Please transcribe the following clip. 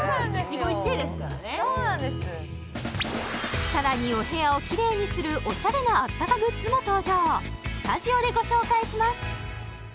一期一会ですからねさらにお部屋をキレイにするおしゃれなあったかグッズも登場スタジオでご紹介します